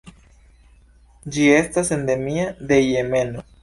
Ĝi estas endemia de Jemeno.